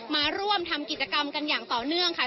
มาร่วมทำกิจกรรมกันอย่างต่อเนื่องค่ะ